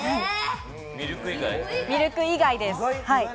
ミルク以外です。